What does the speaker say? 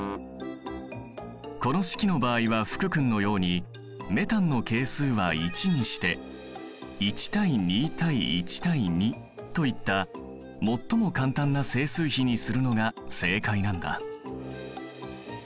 この式の場合は福君のようにメタンの係数は１にして１：２：１：２といった最も簡単な整数比にするのが正解なんだ。